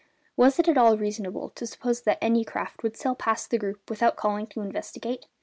Was it at all reasonable to suppose that any craft would sail past the group without calling to investigate?